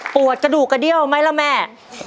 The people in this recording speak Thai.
กระดูกกระเดี้ยวไหมล่ะแม่